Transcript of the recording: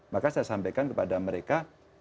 maka saya sampaikan kepada mereka